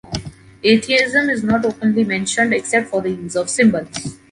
Atheism is not openly mentioned except for the use of symbols.